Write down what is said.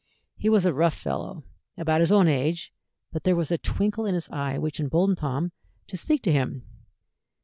He was a rough fellow, about his own age, but there was a twinkle in his eye which emboldened Tom to speak to him.